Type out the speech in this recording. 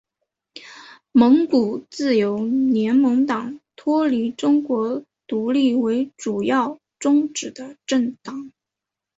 蒙古自由联盟党脱离中国独立为主要宗旨的政党。